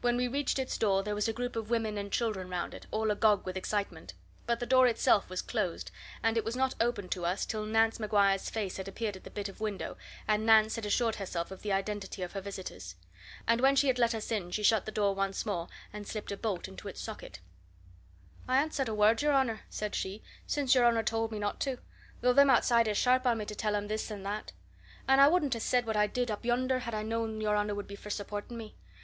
When we reached its door there was a group of women and children round it, all agog with excitement. But the door itself was closed, and it was not opened to us until Nance Maguire's face had appeared at the bit of a window, and Nance had assured herself of the identity of her visitors. And when she had let us in, she shut the door once more and slipped a bolt into its socket. "I an't said a word, your honour," said she, "since your honour told me not to, though them outside is sharp on me to tell 'em this and that. And I wouldn't have said what I did up yonder had I known your honour would be for supporting me.